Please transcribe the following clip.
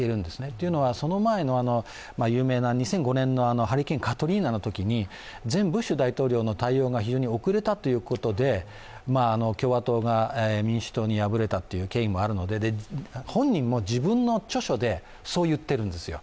というのは、その前の有名な２００５年のハリケーン、カトリーナのときに前ブッシュ大統領の対応が遅れたということで共和党が民主党に敗れた経緯もあるので、本人も自分の著書でそう言ってるんですよ。